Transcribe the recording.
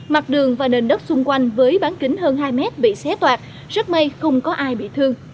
mặt đường và nền đất xung quanh với bán kính hơn hai mét bị xé toạt rất may không có ai bị thương